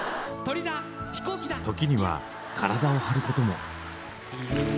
時には体を張ることも。